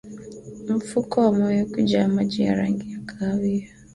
Mfuko wa moyo kujaa maji ya rangi ya kahawia